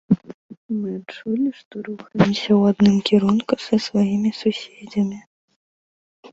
Мы адчулі, што рухаемся ў адным кірунку са сваімі суседзямі.